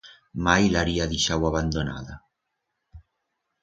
Mai la haría deixau abandonada.